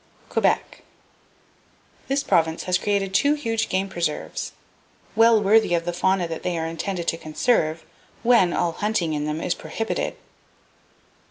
Quebec. —This province has created two huge game preserves, well worthy of the fauna that they are intended to conserve when all hunting in them is prohibited!